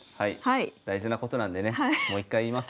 大事なことなんでねもう一回言います。